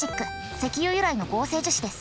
石油由来の合成樹脂です。